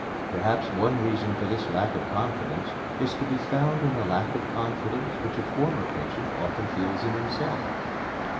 Perhaps one reason for this lack of confidence is to be found in the lack of confidence which a former patient often feels in himself.